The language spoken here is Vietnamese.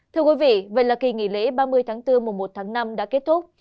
thưa quý vị vậy là kỳ nghỉ lễ ba mươi tháng bốn mùa một tháng năm đã kết thúc